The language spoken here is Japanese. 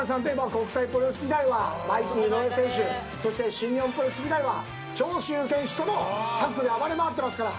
国際プロレス時代はマイティ井上選手そして新日本プロレス時代は長州選手とのタッグで暴れまくってますから。